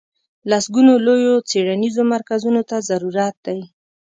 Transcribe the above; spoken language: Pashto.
لسګونو لویو څېړنیزو مرکزونو ته ضرورت دی.